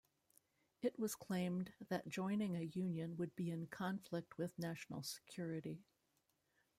It was claimed that joining a union would be in conflict with national security.